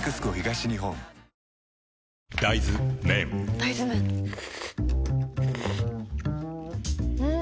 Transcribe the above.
大豆麺ん？